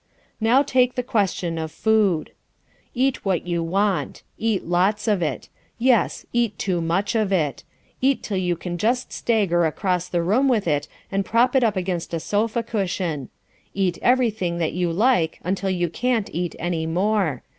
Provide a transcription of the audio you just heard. Now take the question of food. Eat what you want. Eat lots of it. Yes, eat too much of it. Eat till you can just stagger across the room with it and prop it up against a sofa cushion. Eat everything that you like until you can't eat any more.